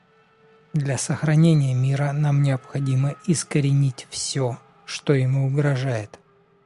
Для сохранения мира нам необходимо искоренить все, что ему угрожает.